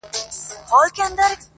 شايد پوهه په رموز د عشق نه وه